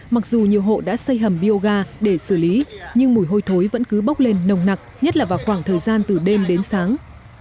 mặc dù nhiều hộ đã xây hầm bioga để xử lý nhưng mùi hôi thối vẫn cứ bốc lên nồng nặc nhất là vào khoảng thời gian từ đêm đến sáng